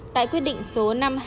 tại quyết định số năm hai hai năm